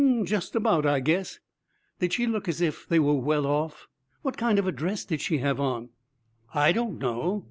'Just about, I guess.' 'Did she look as if they were well off? What kind of a dress did she have on?' 'I don't know.